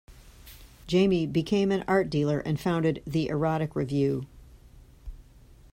Jamie became an art dealer and founded the "Erotic Review".